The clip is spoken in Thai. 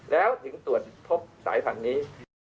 แล้วถึงตรวจพบสายพันธุ์นี้